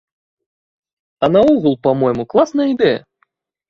А наогул, па-мойму, класная ідэя!